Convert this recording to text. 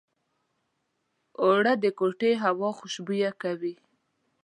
اوړه د کوټې هوا خوشبویه کوي